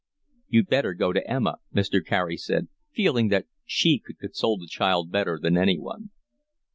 "You'd better go to Emma," Mr. Carey said, feeling that she could console the child better than anyone.